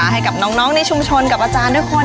ให้กับน้องในชุมชนกับอาจารย์ทุกคน